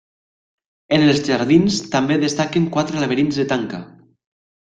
En els jardins també destaquen quatre laberints de tanca.